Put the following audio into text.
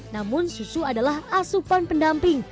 namun susu adalah asupan pendamping